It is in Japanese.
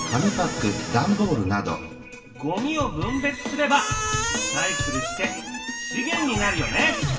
ゴミを分別すればリサイクルして資源になるよね！